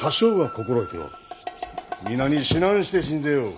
皆に指南して進ぜよう。